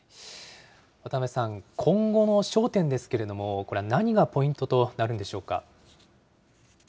渡辺さん、今後の焦点ですけれども、これは何がポイントとなるんでしょうか。